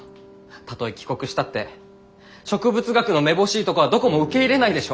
たとえ帰国したって植物学のめぼしいとこはどこも受け入れないでしょ！？